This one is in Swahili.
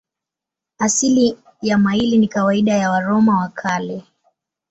Asili ya maili ni kawaida ya Waroma wa Kale.